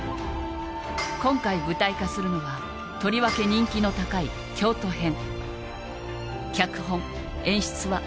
今回舞台化するのはとりわけ人気の高い京都編